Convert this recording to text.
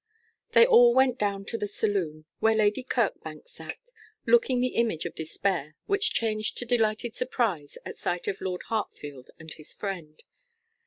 They all went down to the saloon, where Lady Kirkbank sat, looking the image of despair, which changed to delighted surprise at sight of Lord Hartfield and his friend.